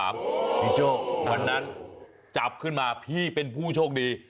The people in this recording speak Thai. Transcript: พี่โจ้วันนั้นจับขึ้นมาพี่เป็นผู้โชคดี